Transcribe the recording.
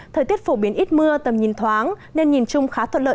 thời tiết phổ biến ít mưa tầm nhìn thoáng nên nhìn chung khá thuận lợi